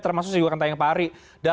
termasuk juga kata yang pak ari